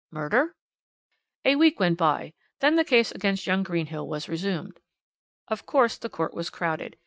"Murder? "A week went by, and then the case against young Greenhill was resumed. Of course the court was crowded.